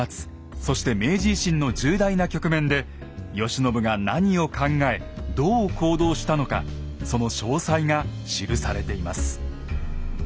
そして明治維新の重大な局面で慶喜が何を考えどう行動したのかその詳細が記されています。